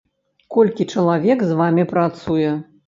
Колькі чалавек з вамі працуе?